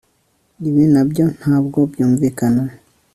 ibi nabyo ntabwo byumvikana